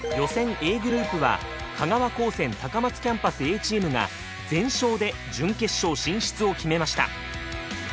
Ａグループは香川高専高松キャンパスＡチームが全勝で準決勝進出を決めました。